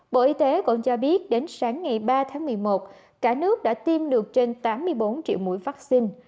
bộ y tế cũng cho biết đến sáng ngày ba tháng một mươi một cả nước đã tiêm được trên tám mươi bốn triệu mũi vaccine